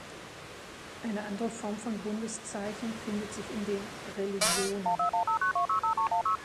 Eine andere Form von Bundeszeichen findet sich in den "Religionen".